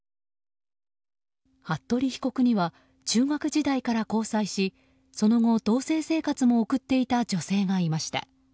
服部被告には中学時代から交際しその後、同棲生活も送っていた女性がいました。